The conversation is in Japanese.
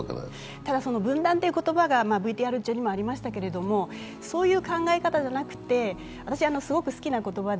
ただ、分断という言葉がＶＴＲ中にもありましたけれども、そういう考え方じゃなくて、私、すごく好きな言葉で、